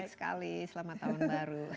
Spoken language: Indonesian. sekali selamat tahun baru